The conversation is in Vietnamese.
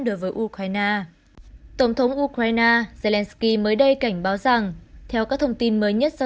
đối với ukraine tổng thống ukraine zelensky mới đây cảnh báo rằng theo các thông tin mới nhất do